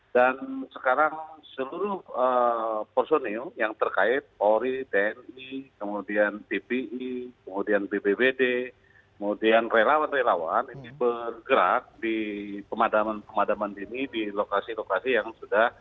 dan sekarang seluruh porsonil yang terkait ori tni kemudian tpi kemudian bpbd kemudian relawan relawan ini bergerak di pemadaman pemadaman ini di lokasi lokasi yang sudah